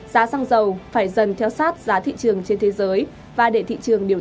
giá xăng dầu phải dần theo sát giá thị trường